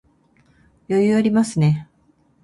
余裕ありますね